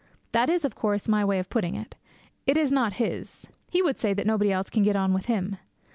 That is, of course, my way of putting it. It is not his. He would say that nobody else can get on with him.